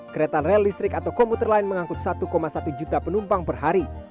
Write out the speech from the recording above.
kereta rel listrik atau komuter lain mengangkut satu satu juta penumpang per hari